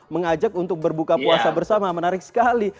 mengajak untuk berbuka puasa bersama menarik sekali